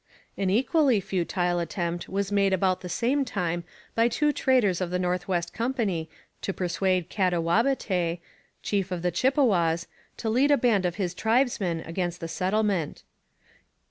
An equally futile attempt was made about the same time by two traders of the North West Company to persuade Katawabetay, chief of the Chippewas, to lead a band of his tribesmen against the settlement.